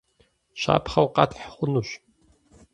Щапхъэу къэтхь хъунущ.